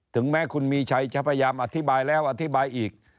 ถึงแม้คุณมีชัยจะพยายามอธิบายแล้วอธิบายอีก